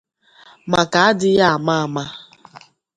maka adịghị ama ama